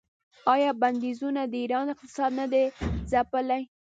آیا بندیزونو د ایران اقتصاد نه دی ځپلی؟